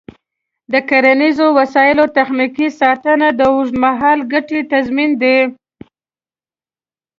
د کرنیزو وسایلو تخنیکي ساتنه د اوږدمهاله ګټې تضمین دی.